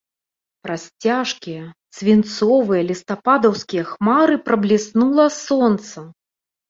Праз цяжкія свінцовыя лістападаўскія хмары прабліснула сонца.